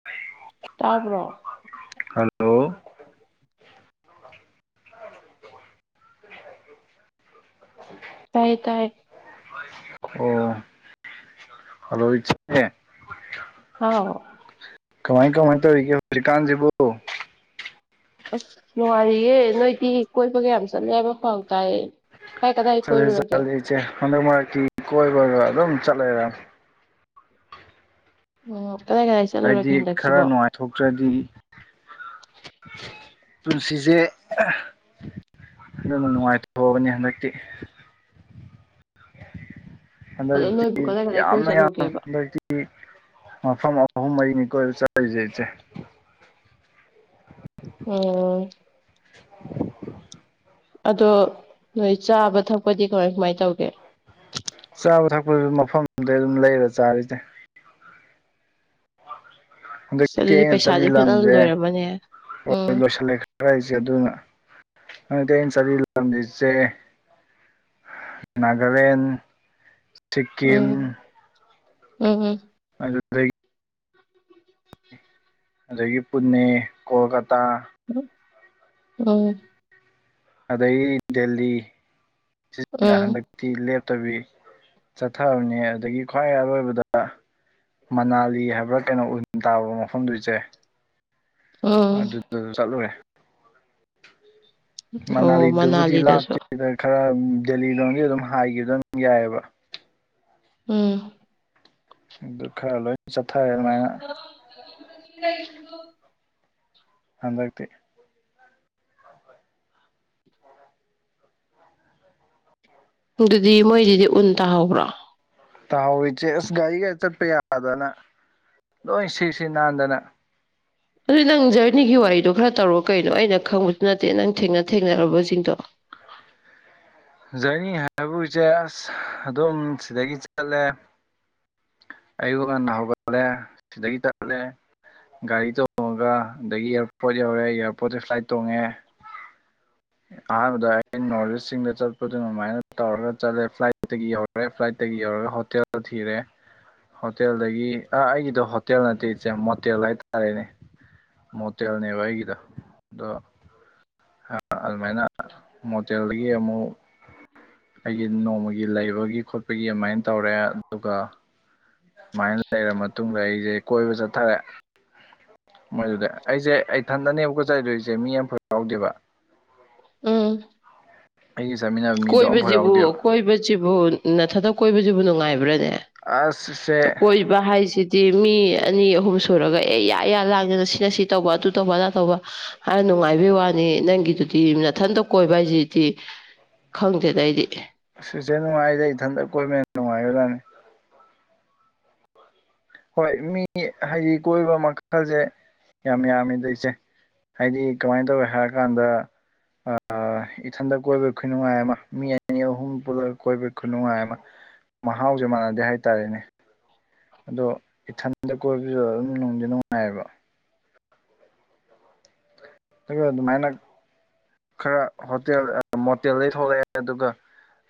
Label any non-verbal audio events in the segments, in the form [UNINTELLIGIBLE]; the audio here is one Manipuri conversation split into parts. [INAUDIBLE] ꯇꯥꯕ꯭ꯔꯣ ꯍꯜꯂꯣ ꯇꯥꯏ ꯇꯥꯏ ꯑꯣ ꯍꯜꯂꯣ ꯏꯆꯦ ꯍꯥꯎ ꯀꯃꯥꯏ ꯀꯃꯥꯏꯟ ꯇꯧꯔꯤꯒꯦ ꯍꯧꯖꯤꯛꯀꯥꯟꯖꯤꯕꯨ ꯑꯁ ꯅꯨꯡꯉꯥꯏꯔꯤꯌꯦ ꯅꯣꯏꯗꯤ ꯀꯣꯏꯕꯒ ꯌꯥꯝ ꯆꯠꯂꯦ ꯍꯥꯏꯕ ꯄꯥꯎ ꯇꯥꯏꯌꯦ ꯀꯥꯏ ꯀꯗꯥꯏ ꯆꯠꯂꯦ ꯀꯣꯏꯔꯨꯔꯒꯦ ꯆꯠꯂꯦ ꯏꯆꯦ ꯍꯟꯗꯛ ꯃꯥꯔꯛꯗ ꯀꯣꯏꯕꯒ ꯑꯗꯨꯝ ꯆꯠꯂꯦ ꯂꯩꯔꯝꯅꯤ ꯑꯣ ꯀꯗꯥꯏ ꯀꯗꯥꯏ ꯆꯠ ꯍꯥꯏꯗꯤ ꯈꯔ ꯅꯨꯡꯉꯥꯏꯊꯣꯛꯇ꯭ꯔꯗꯤ ꯄꯨꯟꯁꯤꯖꯦ ꯑꯦ ꯐꯖꯅ ꯅꯨꯡꯉꯥꯏꯊꯣꯛꯑꯕꯅꯤ ꯍꯟꯗꯛꯇꯤ ꯑꯗꯣ ꯍꯟꯗꯛꯇꯤ ꯅꯣꯏꯕꯨ ꯀꯗꯥꯏ ꯀꯗꯥꯏ ꯀꯣꯏ ꯌꯥꯝꯅ ꯌꯥꯝ ꯆꯠꯂꯨꯒꯦꯕ ꯍꯟꯗꯛꯇꯤ ꯃꯤ ꯃꯐꯝ ꯑꯍꯨꯝ ꯃꯔꯤꯅꯤ ꯀꯣꯏꯕ ꯆꯠꯂꯤꯁꯦ ꯏꯆꯦ ꯎꯝ [INAUDIBLE] ꯑꯗꯣ ꯅꯣꯏ ꯆꯥꯕ ꯊꯛꯄꯗꯤ ꯀꯃꯥꯏ ꯀꯃꯥꯏꯟ ꯇꯧꯒꯦ ꯆꯥꯕ ꯊꯛꯄꯗꯤ ꯃꯐꯝꯗꯨꯗꯩ ꯑꯗꯨꯝ ꯂꯩꯔ ꯆꯥꯔꯦꯗ ꯍꯟꯗꯛꯇꯤ ꯑꯩꯅ ꯆꯠꯂꯤ ꯂꯝꯖꯦ ꯃꯅꯦ ꯍꯣꯏ ꯍꯣꯏ ꯂꯣꯏꯁꯤꯜꯂꯦ ꯈꯔ ꯍꯥꯏꯁꯦ ꯑꯗꯨꯅ ꯍꯟꯗꯛꯇꯤ ꯑꯩꯅ ꯆꯠꯂꯤ ꯂꯝꯁꯦ ꯏꯆꯦ ꯅꯥꯒꯂꯦꯟꯗ ꯎꯝ ꯎꯝ ꯎꯝ ꯑꯗꯨꯗꯒꯤ ꯑꯗꯒꯤ ꯄꯨꯟꯅꯦ ꯀꯣꯜꯀꯇꯥ ꯎꯝ ꯑꯗꯒꯤ ꯗꯦꯜꯂꯤ ꯁꯤꯅ ꯎꯝ ꯍꯟꯗꯛ ꯇꯤ ꯂꯦꯞꯇꯕꯤ ꯆꯠꯊꯕꯅꯦ ꯑꯗꯨꯗꯒꯤ ꯈ꯭ꯋꯥꯏ ꯑꯔꯣꯏꯕꯗ ꯃꯅꯥꯂꯤ ꯍꯥꯏꯕ꯭ꯔꯥ ꯀꯩꯅꯣ ꯎꯟ ꯇꯥꯕ ꯃꯐꯝꯗꯨ ꯆꯦ ꯎꯝ ꯑꯗꯨ ꯆꯠꯂꯨꯔꯦ ꯑꯣ ꯃꯅꯥꯂꯤꯗꯨꯕꯨꯗꯤ ꯃꯅꯥꯂꯤꯗꯁꯨ ꯂꯥꯞꯇꯦꯗ ꯈꯔ ꯗꯦꯜꯂꯤ ꯂꯣꯟꯒꯤ ꯑꯗꯨꯝ ꯍꯥꯏꯈꯤꯕ ꯑꯗꯨꯝ ꯌꯥꯏꯌꯦꯕ ꯎꯝ ꯑꯗꯨ ꯈꯔ ꯂꯣꯏ ꯆꯠꯊꯔꯦ ꯉꯥꯛꯉꯛꯑꯦ [UNINTELLIGIBLE] ꯍꯟꯗꯛꯇ ꯑꯗꯨꯗꯤ ꯃꯣꯏꯒꯤꯗꯤ ꯎꯟ ꯇꯥꯍꯧꯕ꯭ꯔꯣ ꯇꯥꯍꯥꯎꯔꯤ ꯆꯦ ꯑꯁ ꯒꯥꯔꯤꯒ ꯆꯠꯄ ꯌꯥꯗꯅ ꯂꯣꯏ ꯁꯤ ꯁꯤ ꯅꯥꯟꯗꯅ ꯑꯗꯨꯗꯤ ꯅꯪ ꯖꯔꯅꯤꯒꯤ ꯋꯥꯔꯤꯗꯣ ꯈꯔ ꯇꯧꯔꯣ ꯀꯩꯅꯣ ꯑꯩꯅ ꯈꯪꯕꯁꯨ ꯅꯠꯇꯦ ꯅꯪ ꯊꯦꯡꯅ ꯊꯦꯡꯅꯔꯨꯔꯕꯁꯤꯡꯗꯣ ꯖꯔꯅꯤ ꯍꯥꯏꯕꯕꯨ ꯏꯆꯦ ꯑꯁ ꯑꯗꯨꯝ ꯁꯤꯗꯒꯤ ꯆꯠꯂꯦ ꯑꯩꯌꯨꯛ ꯉꯟꯅ ꯍꯧꯒꯠꯂꯦ ꯁꯤꯗꯒꯤ ꯆꯠꯂꯦ ꯒꯥꯔꯤ ꯇꯣꯡꯉꯒ ꯑꯗꯒꯤ ꯑꯦꯌꯥꯔꯄꯣꯔꯠ ꯌꯧꯔꯦ ꯑꯦꯌꯥꯔꯄꯣꯔꯠꯇ ꯐ꯭ꯂꯥꯏꯠ ꯇꯣꯡꯉꯦ ꯑꯍꯥꯟꯕꯗ ꯑꯩꯅꯥꯅꯣꯔꯠꯏꯁ ꯁꯤꯡꯗ ꯆꯥꯠ ꯑꯗꯨ ꯑꯗꯨꯃꯥꯏꯅ ꯇꯧꯔꯒ ꯆꯠꯂꯦ ꯐ꯭ꯂꯥꯏꯠꯇꯒꯤ ꯌꯧꯔꯦ ꯐ꯭ꯂꯥꯏꯠꯇꯒꯤ ꯌꯧꯔꯒ ꯍꯣꯇꯦꯜ ꯊꯤꯔꯦ ꯍꯣꯇꯦꯜꯗꯒꯤ ꯑꯥ ꯑꯩꯒꯤꯗꯣ ꯍꯣꯇꯦꯜ ꯅꯠꯇꯦ ꯏꯆꯦ ꯃꯣꯇꯦꯜ ꯍꯥꯏꯇꯥꯔꯦꯅꯦ ꯃꯣꯇꯦꯜꯅꯦꯕ ꯑꯩꯒꯤꯗ ꯗꯣ ꯍꯥ ꯑꯗꯨꯃꯥꯏꯅ ꯃꯣꯗꯦꯜꯗꯒꯤ ꯑꯃꯨꯛ ꯑꯩꯒꯤ ꯅꯣꯡꯃꯒꯤ ꯂꯩꯕꯒꯤ ꯈꯣꯠꯄꯒꯤ ꯑꯗꯨꯃꯥꯏꯟ ꯇꯧꯔꯦ ꯑꯗꯨꯒ ꯁꯨꯃꯥꯏꯅ ꯂꯩꯔ ꯃꯇꯨꯡꯗ ꯑꯩꯁꯦ ꯀꯣꯏꯕ ꯆꯠꯊꯔꯦ ꯃꯣꯏꯗꯨꯗ ꯑꯩꯁꯦ ꯑꯩꯊꯟꯗꯅꯦꯕꯀꯣ ꯆꯠꯂꯤꯗꯣ ꯏꯆꯦ ꯃꯤ ꯑꯝꯐꯥꯎ ꯌꯥꯎꯗꯦꯕ ꯑꯩꯒ ꯆꯠꯃꯤꯟꯅꯕ ꯃꯤꯗꯣ ꯑꯃꯐꯥꯎ ꯀꯣꯏꯕꯖꯤꯕꯨ ꯌꯥꯎꯗꯦꯕ ꯀꯣꯏꯕꯖꯤꯕꯨ ꯅꯊꯟꯗ ꯀꯣꯏꯕꯖꯤꯕꯨ ꯅꯨꯡꯉꯥꯏꯕ꯭ꯔꯥꯅꯦ ꯑꯁ ꯏꯆꯦ ꯕ ꯍꯥꯏꯁꯤꯗꯤ ꯃꯤ ꯑꯅꯤ ꯑꯍꯨꯝ ꯁꯨꯔꯒ ꯑꯦ ꯌꯥ ꯌꯥ ꯂꯥꯡꯗꯅ ꯁꯤꯅ ꯁꯤ ꯇꯧꯕ ꯑꯗꯨ ꯇꯧꯕ ꯑꯗꯥ ꯇꯧꯕ ꯍꯥꯏ ꯅꯨꯡꯉꯥꯏꯕꯩ ꯋꯥꯅꯤ ꯅꯪꯒꯤꯗꯨꯗꯤ ꯅꯊꯟꯇ ꯀꯣꯏꯕ ꯍꯥꯏꯁꯤꯗꯤ ꯈꯪꯗꯦꯗ ꯑꯩꯗꯤ ꯑꯁ ꯏꯆꯦ ꯅꯨꯡꯉꯥꯏꯗ ꯏꯊꯟꯇ ꯀꯣꯏꯕꯅ ꯍꯦꯟꯅ ꯅꯪꯉꯥꯏꯒ꯭ꯔ ꯖꯥꯠꯅꯤ ꯍꯣꯏ ꯃꯤ ꯍꯥꯏꯗꯤ ꯀꯣꯏꯕ ꯃꯈꯜꯁꯦ ꯌꯥꯝ ꯌꯥꯝꯃꯤꯗ ꯏꯆꯦ ꯍꯥꯏꯗꯤ ꯀꯃꯥꯏꯟ ꯇꯧꯋꯦ ꯍꯥꯏꯔꯀꯥꯟꯗ ꯑꯥ ꯏꯊꯟꯗ ꯀꯣꯏꯕꯩ ꯈꯨꯅꯨꯡꯉꯥꯏ ꯑꯃ ꯃꯤ ꯑꯅꯤ ꯑꯍꯨꯝ ꯄꯨꯜꯂꯒ ꯀꯣꯏꯕꯩ ꯈꯨꯅꯨꯡꯉꯥꯏ ꯑꯃ ꯃꯍꯥꯎꯖꯦ ꯃꯥꯟꯅꯗꯦ ꯍꯥꯏꯇꯥꯔꯦꯅꯦ ꯑꯗꯣ ꯏꯊꯟꯗ ꯀꯣꯏꯕꯁꯤꯖꯨ ꯑꯗꯨꯝ ꯅꯨꯡꯗꯤ ꯅꯨꯡꯉꯥꯏꯑꯕ ꯅꯪꯖꯨ ꯑꯗꯨꯃꯥꯏꯅ ꯈꯔ ꯍꯣꯇꯦꯜ ꯑ ꯃꯣꯇꯦꯜꯗꯩ ꯊꯣꯛꯂꯛꯑꯦ ꯑꯗꯨꯒ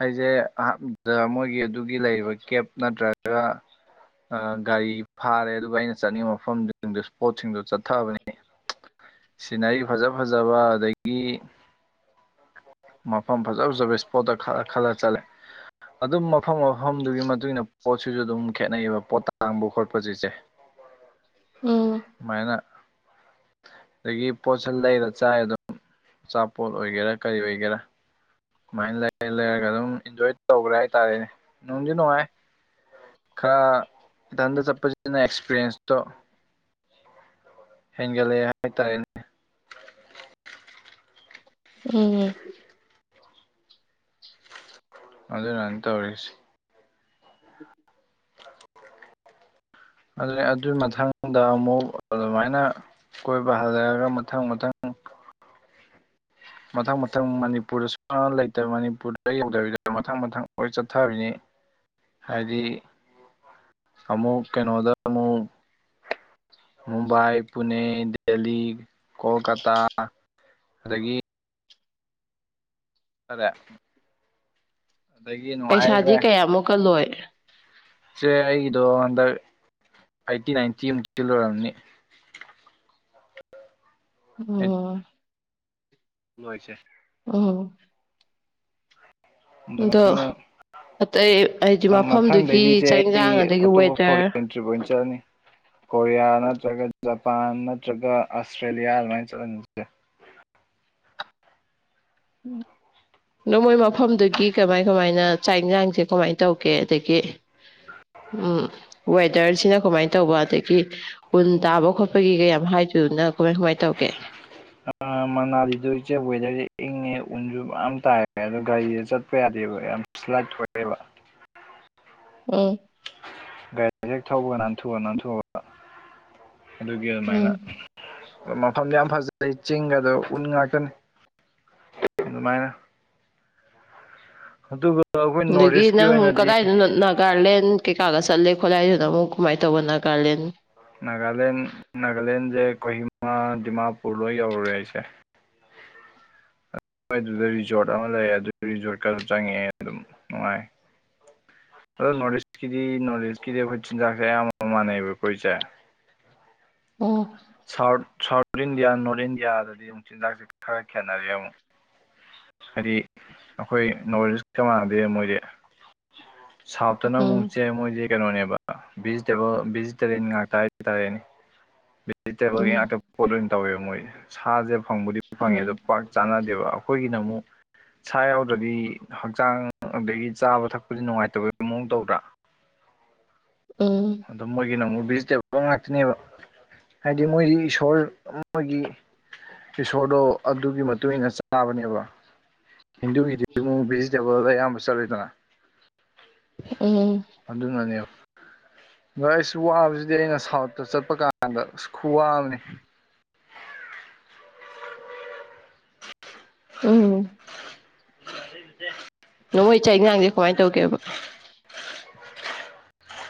ꯑꯩꯖꯦ ꯑꯍꯥꯟꯕꯗ ꯃꯣꯏꯒꯤ ꯑꯗꯨꯒꯤ ꯂꯩꯔꯤꯕ ꯀꯦꯞ ꯅꯠꯇ꯭ꯔꯒ ꯑ ꯒꯥꯔꯤ ꯐꯥꯔꯦ ꯑꯗꯨꯒ ꯑꯩꯅ ꯆꯠꯅꯤꯡꯕ ꯃꯐꯝꯁꯤꯡꯗ ꯁꯄꯣꯠꯁꯤꯡꯗꯨ ꯆꯠꯊꯕꯅꯤ ꯁꯤꯅꯔꯤ ꯐꯖ ꯐꯖꯕ ꯑꯗꯒꯤ ꯃꯐꯝ ꯐꯖ ꯐꯖꯕ ꯏꯁꯄꯣꯠꯇ ꯈꯜꯂ ꯈꯜꯂ ꯆꯠꯂꯦ ꯑꯗꯨꯝ ꯃꯐꯝ ꯃꯐꯝꯗꯨꯒꯤ ꯃꯇꯨꯡ ꯏꯟꯅ ꯄꯣꯠꯁꯤꯁꯨ ꯑꯗꯨꯝ ꯈꯦꯠꯅꯩꯑꯕ ꯄꯣꯠ ꯇꯥꯡꯕ ꯈꯣꯠꯄꯁꯦ ꯏꯆꯦ [UNINTELLIGIBLE] ꯎꯝ ꯃꯥꯏꯅ ꯑꯗꯒꯤ ꯄꯣꯠꯁꯟ ꯂꯩꯔ ꯆꯥꯏ ꯑꯗꯨꯝ ꯑꯆꯥꯄꯣꯠ ꯑꯣꯏꯒꯦꯔꯥ ꯀꯔꯤ ꯑꯣꯏ ꯒꯦꯔꯥ ꯁꯨꯃꯥꯏ ꯂꯩꯔ ꯂꯩꯔꯒ ꯑꯗꯨꯝ ꯏꯟꯖꯣꯏ ꯇꯧꯈ꯭ꯔꯦ ꯍꯥꯏꯇꯥꯔꯦꯅꯦ ꯅꯨꯡꯗꯤ ꯅꯨꯡꯉꯥꯏ ꯈꯔ ꯏꯊꯟꯗ ꯆꯠꯄꯁꯤꯅ ꯑꯦꯛꯁꯄꯤꯔꯤꯌꯦꯟꯁ ꯇꯣ ꯍꯦꯟꯒꯠꯂꯛꯑꯦ ꯍꯥꯏꯇꯥꯔꯦꯅꯦ ꯑꯦ ꯑꯗꯨꯅꯅꯤ ꯇꯧꯔꯤꯁꯤ ꯑꯗꯨꯅꯦ ꯑꯗꯨꯏ ꯃꯊꯪꯗ ꯑꯃꯨꯛ ꯑꯗꯨꯃꯥꯏꯅ ꯀꯣꯏꯕ ꯍꯜꯂꯛꯑꯒ ꯃꯊꯪ ꯃꯊꯪ ꯃꯊꯪ ꯃꯊꯪ ꯃꯅꯤꯄꯨꯔꯗꯁꯨ ꯂꯩꯇ ꯃꯅꯤꯄꯨꯔꯗ ꯌꯧꯗꯕꯤꯗ ꯃꯊꯪ ꯃꯊꯪ ꯂꯣꯏ ꯆꯠꯊꯕꯤꯅꯤ ꯍꯥꯏꯗꯤ ꯑꯃꯨꯛ ꯀꯩꯅꯣꯗ ꯑꯃꯨꯛ ꯃꯨꯝꯕꯥꯏ ꯄꯨꯅꯦ ꯗꯦꯜꯂꯤ ꯀꯣꯜꯀꯇꯥ ꯑꯗꯒꯤ ꯐꯔꯦ ꯑꯗꯒꯤ ꯅꯨꯡꯉꯥꯏꯈ꯭ꯔꯦ ꯑꯃꯨꯛꯀ ꯂꯣꯏꯔꯦ ꯆꯦ ꯑꯩꯒꯤꯗꯣ ꯍꯟꯗꯛ ꯑꯩꯠꯇꯤ ꯅꯥꯏꯟꯇꯤꯃꯨꯛꯀꯤꯗꯤ ꯂꯣꯏꯔꯝꯅꯤ ꯎꯝ ꯂꯣ ꯏꯆꯦ ꯎꯝ ꯑꯗꯣ ꯑꯗꯨꯃꯥꯏꯅ ꯑꯇꯩ ꯍꯥꯏꯗꯤ ꯃꯊꯪꯗꯩꯗꯤ ꯃꯐꯝꯗꯨꯒꯤ ꯆꯦ ꯆꯥꯛ ꯑꯩ ꯏꯟꯁꯥꯡ ꯑꯗꯒꯤ ꯑꯇꯣꯞꯄ ꯋꯦꯗꯔ ꯐꯣꯔꯦꯟ ꯇ꯭ꯔꯤꯞ ꯑꯣꯏ ꯆꯠꯂꯅꯤ ꯀꯣꯔꯤꯌꯥ ꯅꯠꯇ꯭ꯔꯒ ꯖꯄꯥꯟ ꯅꯠꯇ꯭ꯔꯒ ꯑꯁꯇ꯭ꯔꯦꯂꯤꯌꯥ ꯑꯗꯨꯃꯥꯏꯅ ꯆꯠꯂꯅꯤ ꯏꯆꯦ ꯎꯝ ꯗꯨ ꯃꯣꯏ ꯃꯐꯝꯗꯒꯤ ꯀꯃꯥꯏ ꯀꯃꯥꯏꯅ ꯆꯥꯛ ꯏꯟꯁꯥꯡꯁꯦ ꯀꯃꯥꯏ ꯇꯧꯒꯦ ꯑꯗꯒꯤ ꯎꯝ ꯋꯦꯠ ꯗꯔꯁꯤꯅ ꯀꯃꯥꯏꯅ ꯇꯧꯕ ꯑꯗꯒꯤ ꯀꯨꯟ ꯇꯥꯕ ꯈꯣꯠꯄꯒꯤ ꯀꯩꯌꯥꯝ ꯍꯥꯏꯗꯣꯏꯅ ꯀꯃꯥꯏ ꯀꯃꯥꯏꯅ ꯇꯧꯒꯦ ꯑꯥ ꯃꯅꯥꯂꯤꯖꯨ ꯏꯆꯦ ꯋꯦꯗꯔꯁꯦ ꯏꯪꯉꯦ ꯎꯟꯁꯨ ꯃꯌꯥꯝ ꯇꯥꯏ ꯑꯦ ꯒꯥꯔꯤꯁꯦ ꯆꯠꯄ ꯌꯥꯗꯦꯕ ꯌꯥꯝ ꯁ꯭ꯂꯥꯏꯠ ꯊꯣꯛꯑꯦꯕ ꯎꯝ ꯒꯥꯔꯤꯁꯦ ꯍꯦꯛ ꯊꯧꯕ ꯅꯥꯟꯊꯣꯛꯑ ꯅꯥꯟꯊꯣꯛꯑꯒ ꯑꯗꯨꯒꯤ ꯑꯗꯨꯃꯥꯏꯅ ꯎꯝ ꯃꯐꯝꯗ ꯌꯥꯝ ꯐꯖꯩ ꯆꯤꯡꯒꯗꯣ ꯎꯟ ꯉꯥꯛꯇꯅꯤ ꯑꯗꯨꯃꯥꯏꯅ ꯑꯗꯨꯒ ꯑꯩꯈꯣꯏ ꯅꯣꯔꯠ ꯑꯗꯒꯤ ꯏꯁꯀꯤ ꯅꯪ ꯑꯣꯏꯅꯗꯤ ꯀꯗꯥꯏꯗꯅꯣ ꯅꯥꯛ ꯒꯥꯔꯂꯦꯟ ꯀꯩ ꯀꯥꯒ ꯆꯠꯜꯂꯦ ꯈꯣꯠꯂꯦ ꯍꯥꯏꯗꯨꯅ ꯀꯥꯃꯥꯏ ꯇꯧꯕꯅ ꯒꯥꯔꯂꯦꯟ ꯅꯥꯒꯥꯂꯦꯟ ꯅꯥꯒꯥꯂꯦꯟꯁꯦ ꯀꯣꯍꯤꯃ ꯗꯤꯃꯥꯄꯨꯔ ꯂꯣꯏ ꯌꯧꯔꯨꯔꯦ ꯑꯩꯁꯦ ꯑꯩꯈꯣꯏ ꯑꯗꯨꯗ ꯔꯤꯖꯣꯔꯠ ꯑꯃ ꯂꯩ ꯑꯗꯨ ꯔꯤꯖꯣꯔꯠꯀꯗ ꯆꯪꯉꯛꯑꯦ ꯑꯗꯨꯝ ꯅꯨꯡꯉꯥꯏ ꯑꯗꯣ ꯅꯣꯔꯠ ꯏꯁꯀꯤꯗꯤ ꯅꯣꯔꯠ ꯏꯁꯀꯤꯗꯤ ꯑꯩꯈꯣꯏ ꯆꯤꯟꯖꯥꯛꯁꯦ ꯑꯌꯥꯝꯕ ꯃꯥꯟꯅꯩꯑꯕ ꯑꯩꯈꯣꯏꯁꯦ ꯑꯣ ꯁꯥꯎꯠ ꯁꯥꯎꯠ ꯏꯟꯗꯤꯌꯥ ꯅꯣꯔꯠ ꯏꯟꯗꯤꯌꯥꯗꯗꯤ ꯑꯃꯨꯛ ꯆꯤꯟꯖꯥꯛꯁꯦ ꯈꯔ ꯈꯦꯠꯅꯔꯦ ꯑꯃꯨꯛ ꯍꯥꯏꯗꯤ ꯑꯈꯣꯏ ꯅꯣꯔꯠ ꯏꯁꯀ ꯃꯥꯟꯅꯗꯦ ꯃꯣꯏꯗꯤ ꯁꯥꯎꯠꯇꯅ ꯎꯝ ꯑꯃꯨꯛ ꯆꯦ ꯃꯣꯏꯁꯦ ꯀꯩꯅꯣꯅꯦꯕ ꯚꯦꯖꯤꯇꯦꯕꯜ ꯚꯦꯖꯤꯇꯦꯔꯤꯌꯟ ꯉꯥꯛꯇ ꯍꯥꯏꯇꯥꯔꯦꯅꯦ ꯚꯦꯖꯤꯇꯦꯕꯜꯒꯤ ꯎꯝ ꯉꯥꯛꯇ ꯄꯣꯠ ꯂꯣꯏ ꯑꯣꯏꯅ ꯇꯧꯋꯦꯕ ꯃꯣꯏ ꯁꯥꯁꯦ ꯐꯪꯕꯨꯗꯤ ꯐꯪꯉꯦ ꯑꯗꯣ ꯄꯥꯛ ꯆꯥꯟꯅꯗꯦꯕ ꯑꯩꯈꯣꯏꯒꯤꯅ ꯑꯃꯨꯛ ꯁꯥ ꯌꯥꯎꯗ꯭ꯔꯗꯤ ꯍꯛꯆꯥꯡ ꯑꯗꯒꯤ ꯆꯥꯕ ꯊꯛꯄꯗꯤ ꯅꯨꯡꯉꯥꯏꯇꯕꯒꯤ ꯃꯑꯣꯡ ꯇꯧꯗ꯭ꯔꯥ ꯎꯝ ꯑꯗꯣ ꯃꯣꯏꯒꯤꯅ ꯑꯃꯨꯛ ꯚꯦꯖꯤꯇꯦꯕꯜ ꯉꯥꯛꯇꯅꯦꯕ ꯍꯥꯏꯗꯤ ꯃꯣꯏꯗꯤ ꯏꯁꯣꯔ ꯃꯣꯏꯒꯤ ꯏꯁꯣꯔꯗꯣ ꯑꯗꯨꯒꯤ ꯃꯇꯨꯡ ꯏꯟꯅ ꯆꯥꯕꯅꯦꯕ ꯍꯤꯟꯗꯨꯒꯤꯗꯤ ꯃꯨ ꯚꯦꯖꯤꯇꯦꯕꯜ ꯑꯌꯥꯝꯕ ꯆꯠꯂꯤꯗꯅ [UNINTELLIGIBLE] ꯑꯗꯨꯅꯅꯦ ꯗꯩꯁ ꯋꯥꯕꯖꯤꯗꯤ ꯑꯩꯅ ꯁꯥꯎꯠꯇ ꯆꯠꯄ ꯀꯥꯟꯗ ꯈꯨꯋꯥ ꯑꯝꯅꯦ ꯎꯝ [UNINTELLIGIBLE] ꯅꯣꯍꯣꯏ ꯆꯥꯛ ꯏꯖꯥꯡꯖꯦ ꯀꯃꯥꯏꯟ ꯇꯧꯒꯦꯕ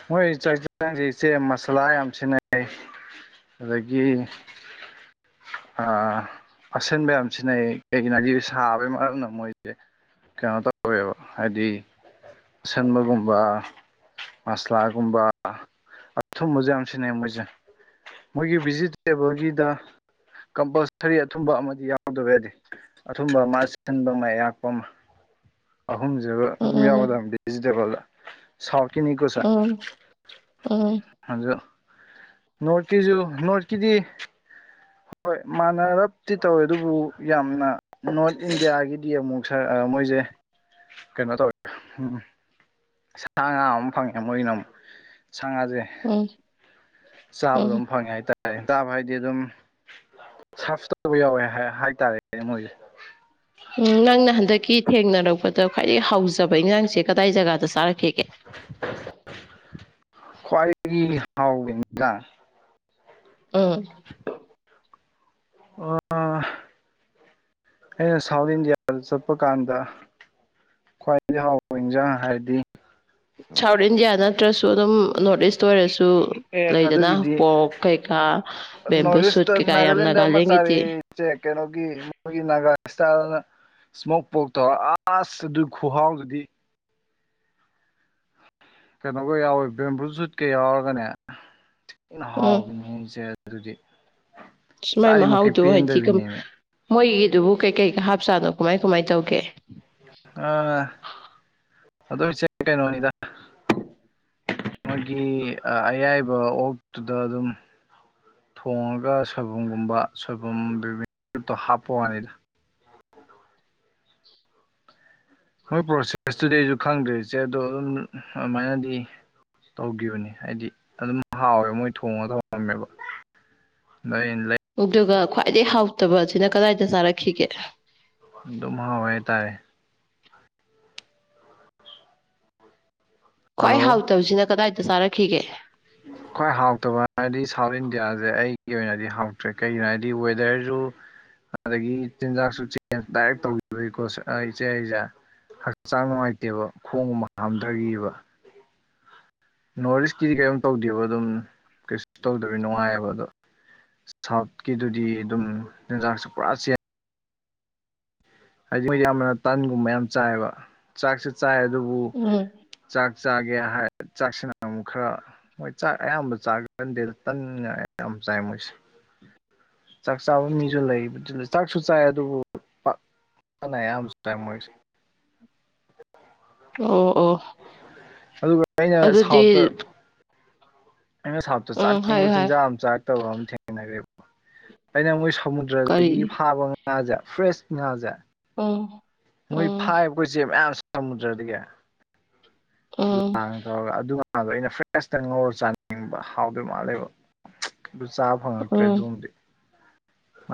ꯃꯣꯏ ꯆꯥꯛꯖꯥꯡꯖꯦ ꯏꯆꯦ ꯃꯁꯥꯂꯥ ꯌꯥꯝ ꯁꯤꯖꯤꯟꯅꯩꯩ ꯑꯗꯒꯤ ꯑꯥ ꯑꯁꯤꯟꯕ ꯌꯥꯝ ꯁꯤꯟꯅꯩ ꯀꯩꯒꯤꯅꯣ ꯍꯥꯏꯖꯤ ꯁꯥꯕꯒꯤ ꯃꯔꯝꯅ ꯃꯣꯏꯖꯦ ꯀꯩꯅꯣ ꯇꯧꯋꯦꯕ ꯍꯥꯏꯗꯤ ꯑꯁꯟꯕꯒꯨꯝꯕ ꯃꯁꯂꯥꯒꯨꯝꯕ ꯑꯊꯨꯝꯕꯖꯨ ꯌꯥꯝ ꯁꯤꯟꯅꯩ ꯃꯣꯏꯖꯦ ꯃꯣꯏꯒꯤ ꯚꯤꯖꯤꯇꯦꯕꯜꯒꯤꯗ ꯀꯝꯄꯜꯁꯔꯤ ꯑꯊꯨꯝꯕ ꯑꯃꯗꯤ ꯌꯥꯎꯗꯕ ꯌꯥꯗꯦ ꯑꯊꯨꯝꯕ ꯃꯥ ꯑꯁꯤꯟꯕ ꯑꯃ ꯑꯌꯥꯛꯄ ꯑꯃ ꯑꯍꯨꯝꯁꯤꯕ ꯑꯗꯨꯝ ꯎꯝ ꯌꯥꯎꯒꯗꯕꯝ ꯚꯦꯖꯤꯇꯦꯕꯜꯗ ꯁꯥꯎꯠ ꯀꯤꯅꯤ ꯀꯣ ꯁꯦ ꯎꯝ ꯎꯝ ꯑꯖꯨ ꯅꯣꯔꯠꯀꯤꯖꯨ ꯅꯣꯔꯠꯀꯤꯗꯤ ꯍꯣꯏ ꯃꯥꯟꯅꯔꯞꯗꯤ ꯇꯧꯋꯦ ꯑꯗꯨꯕꯨ ꯌꯥꯝꯅ ꯅꯣꯔꯠ ꯏꯟꯗꯤꯌꯥꯒꯤꯗꯤ ꯑꯃꯨꯛ ꯁꯔ ꯑ ꯃꯣꯏꯖꯦ ꯀꯩꯅꯣ ꯇꯧꯋꯦ ꯎꯝ ꯁꯥ ꯉꯥ ꯑꯃ ꯐꯪꯉꯦ ꯃꯣꯏꯒꯤꯅ ꯑꯃꯨꯛ ꯁꯥ ꯉꯥꯖꯦ ꯑꯩ ꯆꯥꯕ ꯑꯗꯨꯝ ꯐꯪꯉꯦ ꯍꯥꯏꯇꯥꯔꯦ ꯆꯕꯥ ꯍꯥꯏꯗꯤ ꯑꯗꯨꯝ ꯁꯥꯔꯐ ꯇꯧꯕ ꯌꯥꯎꯋꯦ ꯍꯥꯏꯇꯥꯔꯦ ꯃꯣꯏꯖꯦ ꯎꯝ ꯅꯪꯅ ꯍꯟꯗꯛꯀꯤ ꯊꯦꯡꯅꯔꯛꯄꯗ ꯈ꯭ꯋꯥꯏꯗꯒꯤ ꯍꯥꯎꯖꯕ ꯏꯪꯖꯥꯡꯁꯦ ꯀꯗꯥꯏ ꯖꯒꯥꯗ ꯆꯥꯔꯛꯈꯤꯒꯦ ꯈ꯭ꯋꯥꯏꯗꯒꯤ ꯍꯥꯎꯕ ꯢꯟꯖꯥꯡ ꯎꯝ [INAUDIBLE] ꯑꯥ ꯑꯩꯅ ꯁꯥꯎꯠ ꯏꯟꯗꯤꯌꯥꯗ ꯆꯠꯄ ꯀꯥꯟꯗ ꯈ꯭ꯋꯥꯏꯗꯒꯤ ꯍꯥꯎꯕ ꯏꯟꯖꯥꯡ ꯍꯥꯏꯔꯗꯤ ꯁꯥꯎꯠ ꯏꯟꯗꯤꯌꯥ ꯅꯠꯇ꯭ꯔꯁꯨ ꯑꯗꯨꯝ ꯅꯣꯔꯠ ꯏꯁ ꯇꯣꯏꯔꯁꯨ ꯑꯦ ꯂꯩꯗꯅ ꯑꯗꯨꯒꯤꯗꯤ ꯄꯣꯔꯛ ꯀꯩꯀꯥ ꯕꯦꯝꯕꯨ ꯁꯨꯠ ꯀꯩꯀꯥ ꯌꯥꯝ ꯅꯒꯥꯂꯦꯟꯒꯤꯗꯤ ꯁꯦ ꯀꯩꯅꯣꯒꯤ ꯃꯣꯏꯒꯤ ꯅꯥꯒꯥ ꯁ꯭ꯇꯥꯢꯜꯗ ꯏ꯭ꯁꯃꯣꯛ ꯄꯣꯛ ꯇꯣ ꯑꯁ ꯑꯗꯨ ꯈꯨꯍꯥꯎꯗꯨꯗꯤ ꯀꯩꯅꯣꯒ ꯌꯥꯎꯋꯦ ꯕꯦꯝꯕꯨ ꯁꯨꯠꯀ ꯌꯥꯎꯔꯒꯅꯦ ꯊꯤꯅ ꯎꯝ ꯍꯥꯎꯕꯤꯅꯦ ꯑꯩꯖꯦ ꯑꯗꯨꯗꯤ ꯃꯥꯢ ꯆꯥꯔꯤꯃꯈꯩ ꯃꯍꯥꯎꯗꯣ ꯍꯥꯢꯗꯤ ꯀꯝ ꯄꯦꯟꯗꯕꯤꯅꯦꯃꯤ ꯃꯣꯢꯒꯤꯗꯨꯕꯨ ꯀꯩꯀꯩꯀ ꯍꯥꯞꯖꯠꯅꯣ ꯀꯃꯥꯢ ꯀꯃꯥꯢ ꯇꯧꯒꯦ ꯑꯥ ꯑꯗꯣ ꯏꯆꯦ ꯀꯩꯅꯣꯅꯤꯗ [INAUDIBLE] ꯃꯣꯢꯒꯤ ꯑ ꯑꯌꯥꯢꯕ ꯑꯣꯛꯇꯨꯗ ꯑꯗꯨꯝ ꯊꯣꯡꯉꯒ ꯁꯣꯢꯕꯨꯝꯒꯨꯝꯕ ꯁꯣꯢꯕꯨꯝ ꯕꯤꯕꯤꯠꯇꯣ ꯍꯥꯞꯄ ꯋꯥꯅꯤꯗ ꯃꯣꯢ ꯄ꯭ꯔꯣꯁꯦꯁꯇꯨꯗꯤ ꯑꯩꯖꯨ ꯈꯪꯗ꯭ꯔꯦ ꯏꯆꯦ ꯑꯗꯣ ꯑꯗꯨꯝ ꯑꯗꯨꯃꯥꯢꯅꯗꯤ ꯇꯧꯒꯤꯕꯅꯤ ꯍꯥꯢꯗꯤ ꯑꯗꯨꯝ ꯍꯥꯎꯋꯦꯕ ꯃꯣꯢ ꯊꯣꯡꯉꯒ ꯊꯃꯝꯃꯦꯕ [UNINTELLIGIBLE] ꯂꯩ ꯑꯗꯨꯒ ꯈ꯭ꯋꯥꯏꯗꯩ ꯍꯥꯎꯇꯕ ꯁꯤꯅ ꯀꯗꯥꯏꯗ ꯆꯥꯔꯛꯈꯤꯒꯦ ꯑꯗꯨꯝ ꯍꯥꯎꯋꯦ ꯍꯥꯢꯇꯥꯔꯦ ꯈ꯭ꯋꯥꯏ ꯍꯜꯂꯣ ꯍꯥꯎꯇꯕꯁꯤꯅ ꯀꯗꯥꯏꯗ ꯆꯥꯔꯛꯈꯤꯒꯦ ꯈ꯭ꯋꯥꯏ ꯍꯥꯎꯇꯕ ꯍꯥꯏꯗꯤ ꯁꯥꯎꯠ ꯏꯟꯗꯤꯌꯥꯖꯦ ꯑꯩꯒꯤ ꯑꯣꯏꯅꯗꯤ ꯍꯥꯎꯇ꯭ꯔꯦ ꯀꯩꯒꯤꯅꯣ ꯍꯥꯏꯗꯤ ꯋꯦꯗꯔꯖꯨ ꯑꯗꯒꯤ ꯆꯤꯟꯖꯥꯛꯁꯨ ꯆꯦꯟꯖ ꯗꯥꯏꯔꯦꯛ ꯇꯧꯒꯤꯕꯩꯀꯣ ꯢꯆꯦ ꯑꯩꯁꯦ ꯍꯛꯆꯥꯡ ꯅꯨꯡꯉꯥꯏꯇꯦꯕ ꯈꯣꯡꯒꯨꯝꯕ ꯍꯥꯝꯗꯒꯤꯕ ꯅꯣꯔꯠ ꯏꯁꯀꯤꯗꯤ ꯀꯩꯅꯣꯝ ꯇꯧꯗꯦꯕ ꯑꯗꯨꯝ ꯀꯩꯁꯨ ꯇꯧꯗꯕꯤ ꯅꯨꯡꯉꯥꯏꯕ ꯑꯗꯣ ꯁꯥꯎꯠꯀꯤꯗꯨꯗꯤ ꯑꯗꯨꯝ ꯌꯦꯟꯖꯥꯛꯁꯨ ꯄꯨꯔꯥ ꯆꯦꯟ ꯍꯥꯏꯗꯤ ꯃꯣꯢ ꯌꯥꯝꯅ ꯇꯟꯒꯨꯝꯕ ꯌꯥꯝ ꯆꯥꯏꯌꯦꯕ ꯆꯥꯛꯁꯨ ꯆꯥꯏ ꯑꯗꯨꯕꯨ ꯎꯝ ꯆꯥꯛ ꯆꯥꯒꯦ ꯍꯥꯢ ꯆꯥꯛꯁꯤꯅ ꯑꯃꯨꯛ ꯈꯔ ꯃꯣꯢ ꯆꯥꯛ ꯑꯌꯥꯝꯕ ꯆꯥꯒꯟꯗꯦꯗ ꯇꯟꯅ ꯑꯌꯥꯝꯕ ꯆꯥꯢ ꯃꯣꯢꯁꯦ ꯆꯥꯛ ꯆꯥꯕ ꯃꯤꯁꯨ ꯂꯩꯕꯗꯨ ꯆꯥꯛꯁꯨ ꯆꯥꯢ ꯑꯗꯨꯕꯨ ꯄꯥꯛ ꯇꯟꯅ ꯑꯌꯥꯝꯕ ꯆꯥꯢ ꯃꯣꯢꯁꯦ ꯑꯣ ꯑꯣ ꯑꯗꯨꯒ ꯑꯩꯅ ꯑꯗꯨꯗꯤ ꯁꯥꯎꯠꯇ ꯑꯩꯅ ꯁꯥꯎꯠꯇ ꯎꯝ ꯆꯥꯅꯤꯡꯕ ꯍꯥꯏꯌꯨ ꯍꯥꯏꯌꯨ ꯆꯤꯟꯖꯥꯛ ꯑꯃ ꯆꯥꯔꯛꯇꯕ ꯑꯃ ꯊꯦꯡꯅꯈ꯭ꯔꯦꯕ ꯑꯩꯅ ꯃꯣꯢ ꯀꯔꯤ ꯁꯃꯨꯗ꯭ꯔꯗꯒꯤ ꯐꯥꯕ ꯉꯥꯖꯦ ꯐ꯭ꯔꯦꯁ ꯉꯥꯖꯦ ꯑꯝ ꯃꯣꯢ ꯐꯥꯢꯕ ꯀꯣ ꯏꯆꯦ ꯃꯌꯥꯝ ꯁꯃꯨꯗ꯭ꯔꯗꯒꯤ ꯎꯝ ꯂꯥꯡ ꯇꯧꯔꯒ ꯑꯗꯨ ꯉꯥꯗꯣ ꯑꯩꯅ ꯐ꯭ꯔꯦꯁꯇ ꯉꯧꯔ ꯆꯥꯅꯤꯡꯕ ꯍꯥꯎꯗꯣꯢ ꯃꯥꯜꯂꯦꯕ ꯑꯗꯨ ꯆꯥꯕ ꯐꯪꯉꯛꯇ꯭ꯔꯦ ꯎꯝ ꯑꯗꯨꯝꯗꯤ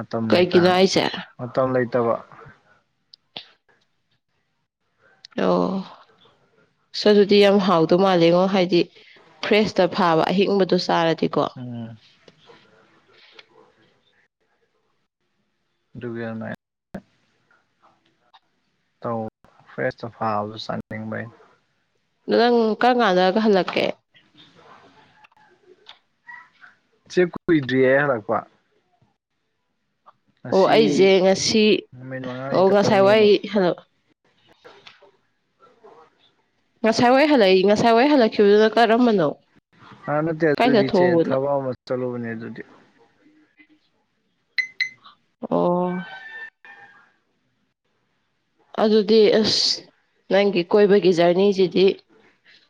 ꯃꯇꯝ ꯀꯩꯒꯤꯅꯣ ꯂꯩꯇꯗꯅ ꯍꯥꯏꯁꯦ ꯃꯇꯝ ꯂꯩꯇꯕ ꯑꯣ ꯁꯁ ꯑꯗꯨꯗꯤ ꯌꯥꯝ ꯍꯥꯎꯗꯨ ꯃꯥꯜꯂꯦꯉꯣ ꯍꯥꯢꯗꯤ ꯐ꯭ꯔꯦꯁꯇ ꯐꯥꯕ ꯑꯍꯤꯡꯕꯗꯣ ꯆꯥꯔꯗꯤꯀꯣ ꯎꯝ ꯗꯨꯒꯤ ꯌꯥꯝ ꯅꯥꯏ ꯇꯧ ꯐ꯭ꯔꯦꯁꯇ ꯐꯥꯕꯗꯣ ꯆꯥꯅꯤꯡꯕ ꯑꯩꯅ ꯗꯣ ꯅꯪ ꯀꯔꯝ ꯀꯥꯟꯗꯒ ꯍꯜꯂꯛꯀꯦ ꯆꯦ ꯀꯨꯢꯗ꯭ꯔꯤꯌꯦ ꯑꯩ ꯍꯜꯂꯛꯄ ꯑꯣ ꯉꯁꯤ ꯑꯩꯖꯦ ꯉꯁꯤ ꯅꯨꯃꯤꯠ ꯃꯉꯥꯅꯤ ꯑꯣ ꯉꯁꯥꯢ ꯋꯥꯏ ꯇꯔꯨꯛꯅꯤꯃꯨꯛ ꯁꯥꯅꯕ ꯉꯁꯥꯢ ꯋꯥꯢ ꯍꯜꯂꯛꯏ ꯉꯁꯥꯢ ꯋꯥꯢ ꯍꯜꯂꯛꯈꯤꯕꯗꯨꯅ ꯀꯔꯝꯕꯅꯣ ꯑ ꯅꯠꯇꯦ ꯀꯥꯏ ꯑꯗꯨꯗꯤ ꯏꯆꯦ ꯆꯠꯊꯣꯛꯎꯕꯅꯣ ꯊꯕꯛ ꯑꯃ ꯆꯠꯂꯨꯕꯅꯦ ꯑꯗꯨꯗꯤ ꯑꯣ ꯑꯗꯨꯗꯤ ꯑꯁ ꯅꯪꯒꯤ ꯀꯣꯢꯕꯒꯤ ꯖꯔꯅꯤꯖꯤꯗꯤ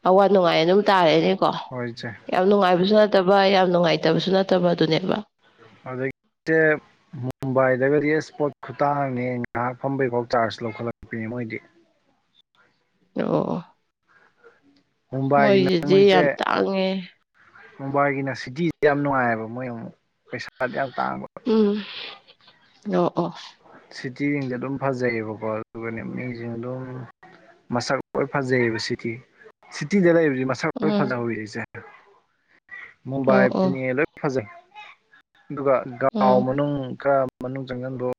ꯑꯋꯥ ꯅꯨꯡꯉꯥꯢ ꯑꯗꯨꯝ ꯇꯥꯔꯦꯅꯦꯀꯣ ꯍꯣꯢ ꯏꯆꯦ ꯌꯥꯝ ꯅꯨꯡꯉꯥꯢꯕꯁꯨ ꯅꯠꯇꯕ ꯌꯥꯝ ꯅꯨꯡꯉꯥꯢꯇꯕꯁꯨ ꯅꯠꯇꯕ ꯑꯗꯨꯅꯦꯕ ꯍꯧꯖꯤꯛꯆꯦ ꯃꯨꯝꯕꯥꯢꯗꯒꯗꯤ ꯑꯁ ꯄꯣꯠ ꯈꯨꯇꯥꯡꯑꯝꯅꯦ ꯉꯥꯍꯥꯛ ꯐꯝꯕꯩ ꯐꯥꯎ ꯆꯥꯔꯖ ꯂꯧꯈꯠꯂꯛꯄꯤꯅꯦ ꯃꯣꯢꯗꯤ ꯑꯣ ꯃꯨꯝꯕꯥꯏꯒꯤꯅ ꯃꯣꯢꯖꯤꯗꯤ ꯌꯥꯝ ꯇꯥꯡꯉꯦ ꯃꯨꯝꯕꯥꯢꯒꯤꯅ ꯁꯤꯇꯤꯖꯦ ꯌꯥꯝ ꯅꯨꯡꯉꯥꯢꯕ ꯃꯣꯢ ꯑꯃꯨꯛ ꯄꯩꯁꯥꯗꯤ ꯌꯥꯝ ꯇꯥꯡꯕ ꯎꯝ ꯅꯣ ꯑꯣ ꯁꯤꯇꯤꯖꯤꯡꯖꯦ ꯑꯗꯨꯝ ꯐꯖꯩꯌꯦꯕꯀꯣ ꯑꯗꯨꯒꯅꯦ ꯃꯤꯁꯤꯡ ꯑꯗꯨꯝ ꯃꯁꯛ ꯂꯣꯏ ꯐꯖꯩꯕ ꯁꯤꯇꯤ ꯁꯤꯇꯤꯗ ꯂꯩꯕꯖꯦ ꯃꯁ ꯁꯛ ꯂꯣꯢ ꯐꯖꯍꯧꯏ ꯎꯝ ꯏꯆꯦ ꯑꯣ ꯃꯨꯝꯕꯥꯏ ꯑꯣ ꯄꯨꯅꯦꯗ ꯐꯖꯩ ꯗꯨꯒ ꯒꯥꯎ ꯎꯝ ꯃꯅꯨꯡ ꯈꯔ ꯃꯅꯨꯡ ꯆꯪꯖꯟꯕ꯭ꯔꯣ